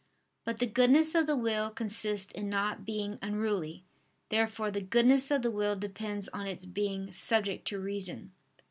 But the goodness of the will consists in not being unruly. Therefore the goodness of the will depends on its being subject to reason.